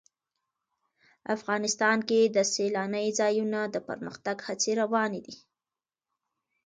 افغانستان کې د سیلانی ځایونه د پرمختګ هڅې روانې دي.